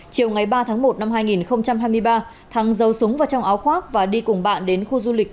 chiều ngày ba tháng một năm hai nghìn hai mươi ba thắng giấu súng vào trong áo khoác và đi cùng bạn đến khu du lịch